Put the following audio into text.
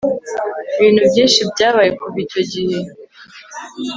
Ibintu byinshi byabaye kuva icyo gihe